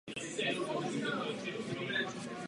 Též vyzýváme, aby se bezvýhradně zúčastnili rozhovorů v Sirtě.